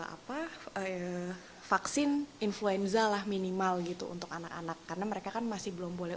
apa vaksin influenza lah minimal gitu untuk anak anak karena mereka kan masih belum boleh